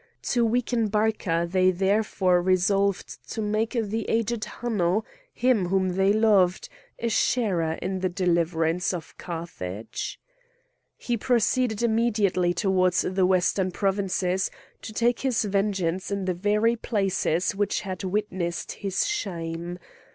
To weaken Barca they therefore resolved to make the aged Hanno, him whom they loved, a sharer in the deliverance of Carthage. He proceeded immediately towards the western provinces, to take his vengeance in the very places which had witnessed his shame.